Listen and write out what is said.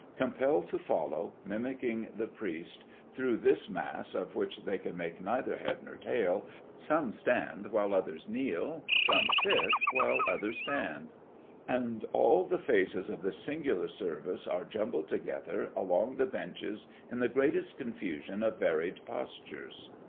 Compelled to follow, mimicking the priest, through this Mass, of which they can make neither head nor tail, some stand while others kneel, some sit while others stand; and all the phases of this singular service are jumbled together along the benches in the greatest confusion of varied postures.